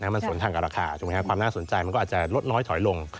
มันสนทางกับราคาความน่าสนใจมันก็อาจจะลดน้อยถอยลง